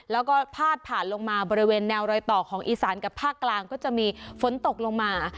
แล้วก็พาดผ่านลงมาบริเวณแนวรอยต่อของอีสานกับภาคกลางก็จะมีฝนตกลงมา